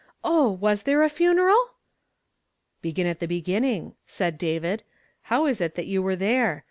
Oh! was there a funeral ?"" Begin at the beginning," said David. " How is it that you were there